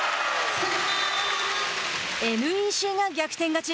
ＮＥＣが逆転勝ち。